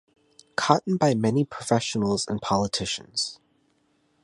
Cotton by many professionals and politicians.